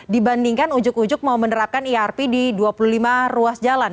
dibandingkan ujuk ujuk mau menerapkan irp di dua puluh lima ruas jalan